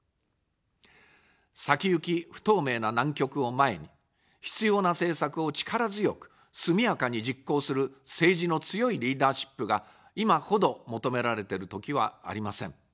先行き不透明な難局を前に、必要な政策を力強く、速やかに実行する政治の強いリーダーシップが、今ほど求められてる時はありません。